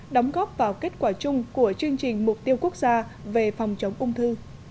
đóng góp vào kết quả chung của chương trình mục tiêu quốc gia về phòng chống ung thư